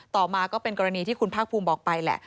ต่อมาก็เป็นกรณีที่คุณภาคภูมิบอกไปแหละ